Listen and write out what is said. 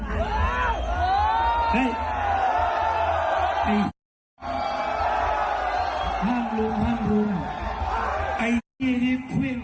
เล่าให้มึงคุยให้มัน